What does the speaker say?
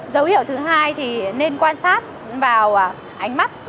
dấu hiệu thứ hai thì nên quan sát vào ánh mắt